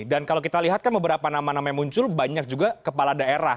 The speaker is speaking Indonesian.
dan kalau kita lihat kan beberapa nama nama yang muncul banyak juga kepala daerah